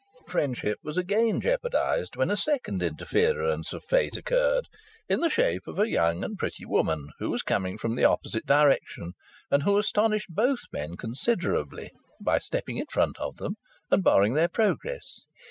Friendship was again jeopardized, when a second interference of fate occurred, in the shape of a young and pretty woman who was coming from the opposite direction and who astonished both men considerably by stepping in front of them and barring their progress.